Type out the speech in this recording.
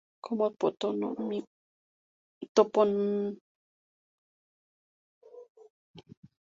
Como topónimo, St.